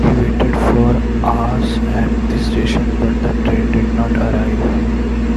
He waited for hours at the station, but the train did not arrive.